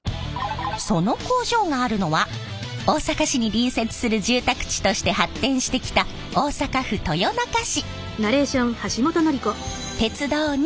その工場があるのは大阪市に隣接する住宅地として発展してきた大阪府豊中市。